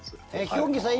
ヒョンギさん